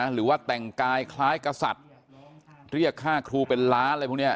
หรือว่าแต่งกายคล้ายกษัตริย์เรียกค่าครูเป็นล้านอะไรพวกนี้